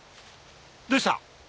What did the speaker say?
どうした？